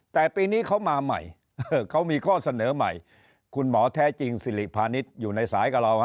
แต่ปีนี้เขามาใหม่เขามีข้อเสนอใหม่คุณหมอแท้จริงสิริพาณิชย์อยู่ในสายกับเรา